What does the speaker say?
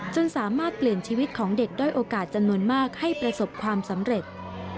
จนสามารถเปลี่ยนชีวิตของเด็กด้อยโอกาสจำนวนมากให้ประสบความสำเร็จ